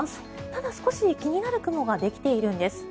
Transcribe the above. ただ、少し気になる雲ができているんです。